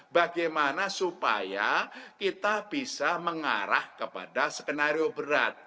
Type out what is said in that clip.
bagaimana supaya kita bisa mengarah kepada skenario berat